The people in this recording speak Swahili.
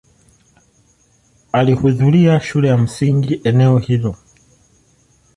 Alihudhuria shule ya msingi eneo hilo.